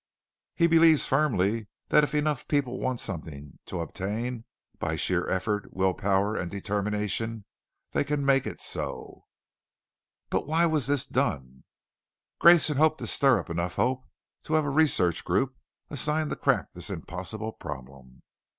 He believes firmly that if enough people want something to obtain, by sheer effort, will power, and determination, they can make it so." "But why was this done?" "Grayson hoped to stir up enough hope to have a research group, assigned to crack this impossible problem."